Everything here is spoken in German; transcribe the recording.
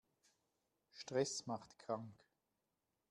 Stress macht krank.